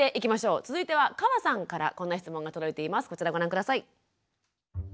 続いては河さんからこんな質問が届いています。